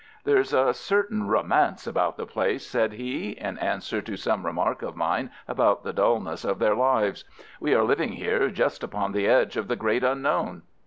"There's a certain romance about the place," said he, in answer to some remark of mine about the dulness of their lives. "We are living here just upon the edge of the great unknown.